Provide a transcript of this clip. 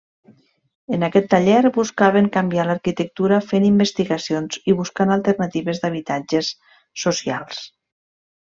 En aquest taller buscaven canviar l'arquitectura fent investigacions i buscant alternatives d'habitatges socials.